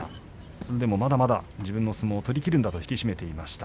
それでも、まだまだ自分の相撲を取りきるんだと引き締めていました。